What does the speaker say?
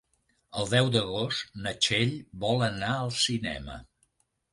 El deu d'agost na Txell vol anar al cinema.